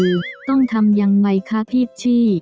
ต้องทำยังไงคะพี่ชี่